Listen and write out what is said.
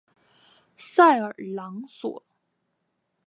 塞尔朗索。